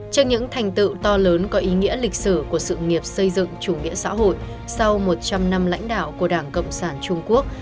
trên những thành tựu to lớn có ý nghĩa lịch sử của sự nghiệp xây dựng chủ nghĩa xã hội sau một trăm linh năm lãnh đạo của đảng cộng sản trung quốc